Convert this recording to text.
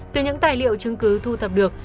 từ những tài liệu chứng cứ thu thập được